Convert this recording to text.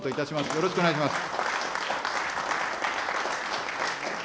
よろしくお願いします。